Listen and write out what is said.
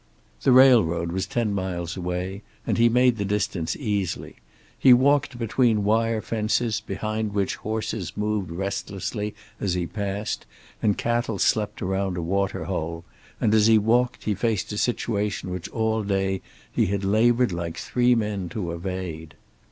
The railroad was ten miles away, and he made the distance easily. He walked between wire fences, behind which horses moved restlessly as he passed and cattle slept around a water hole, and as he walked he faced a situation which all day he had labored like three men to evade.